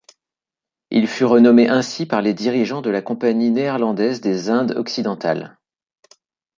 Il fut renommé ainsi par les dirigeants de la Compagnie néerlandaise des Indes occidentales.